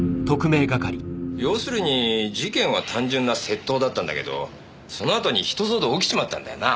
ようするに事件は単純な窃盗だったんだけどそのあとにひと騒動起きちまったんだよな。